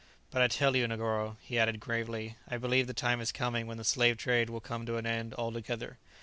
But I tell you, Negoro," he added gravely, "I believe the time is coming when the slave trade will come to an end altogether.